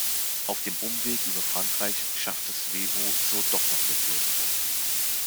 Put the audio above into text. Auf dem Umweg über Frankreich schaffte Svevo so doch noch den Durchbruch.